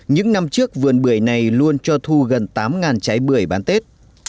những năm trước vườn bưởi này luôn cho thu gần tám trái bưởi bán tết